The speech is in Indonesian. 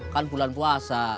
kan bulan puasa